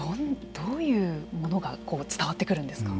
どういうものがこう伝わってくるんですか？